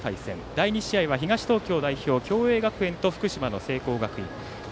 第３試合は東東京代表共栄学園と福島の聖光学院。